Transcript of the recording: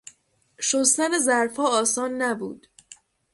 شستن ظرفها آسان نبود.